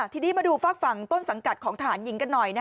ทีนี้มาดูฝากฝั่งต้นสังกัดของทหารหญิงกันหน่อย